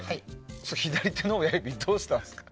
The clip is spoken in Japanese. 左手の親指、どうしたんですか？